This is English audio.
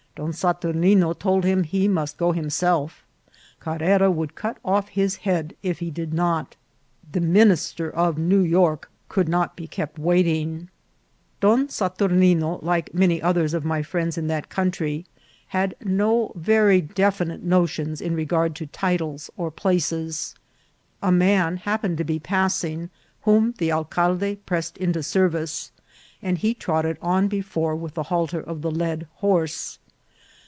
Don Saturnino told him he must go himself ; Carrera would cut off his head if he did not ;" the minister of New York" could not be kept waiting. Don Saturnino, like many others of my friends in that country, had no very definite notions in regard to titles or places. A man happened to be passing, whom the alcalde pressed into service, and he trotted on before with the halter of the led horse.